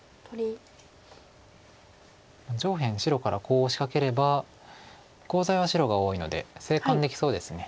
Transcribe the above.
上辺白からコウを仕掛ければコウ材は白が多いので生還できそうです。